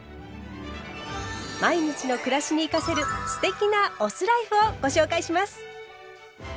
毎日の暮らしに生かせる“酢テキ”なお酢ライフをご紹介します。